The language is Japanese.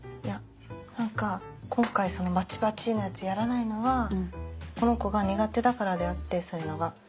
何か今回そのバチバチのやつやらないのはこの子が苦手だからであってそういうのが。